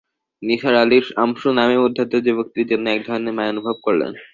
নিসার আলি সামসু নামের উদ্ধত যুবকটির জন্যে এক ধরনের মায়া অনুভব করলেন।